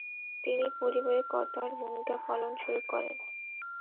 তিনি পরিবারের কর্তার ভূমিকা পালন শুরু করেন।